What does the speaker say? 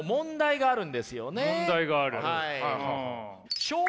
問題がある？